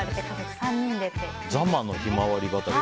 座間のひまわり畑？